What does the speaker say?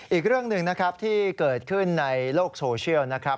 อีกเรื่องหนึ่งนะครับที่เกิดขึ้นในโลกโซเชียลนะครับ